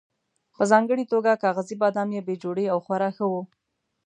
په ځانګړې توګه کاغذي بادام یې بې جوړې او خورا ښه وو.